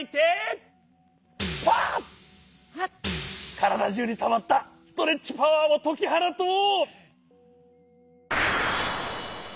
からだじゅうにたまったストレッチパワーをときはなとう！